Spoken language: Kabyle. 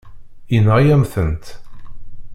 Yenɣa-yam-tent.